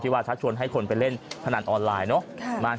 ว่าชักชวนให้คนไปเล่นพนันออนไลน์เนอะ